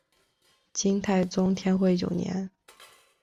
金太宗天会九年。